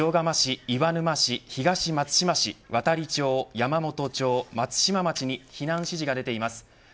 塩釜市、岩沼市、東松島市亘理町、山本町、松島町に避難指示が出ています。